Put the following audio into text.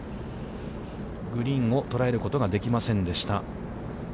グリーンを捉えることができませんでした。